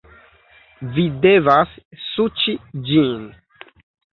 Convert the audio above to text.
Vi devas suĉi ĝin